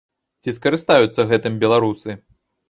Ці скарыстаюцца гэтым беларусы?